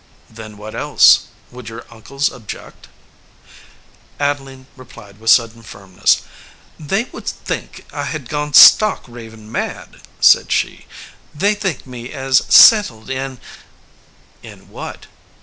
"Then what else? Would your uncles ob ject?" Adeline replied with sudden firmness. "They would think I had gone stark, staring mad," said she. "They think me as settled in " "In what?"